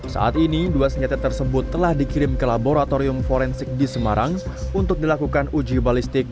saat ini dua senjata tersebut telah dikirim ke laboratorium forensik di semarang untuk dilakukan uji balistik